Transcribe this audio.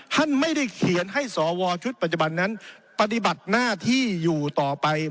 ท่านไม่ได้เขียนให้สวชุดปัจจุบันนั้นปฏิบัติหน้าที่อยู่ต่อไป